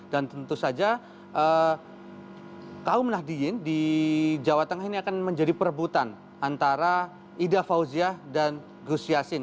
dan tentu saja kaum nahdiyin di jawa tengah ini akan menjadi perebutan antara ida fauzia dan gus yassin